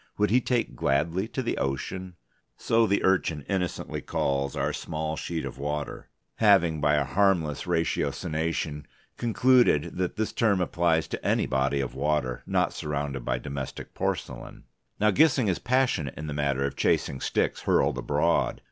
Would he take gladly to the ocean? (So the Urchin innocently calls our small sheet of water, having by a harmless ratiocination concluded that this term applies to any body of water not surrounded by domestic porcelain.) Now Gissing is passionate in the matter of chasing sticks hurled abroad.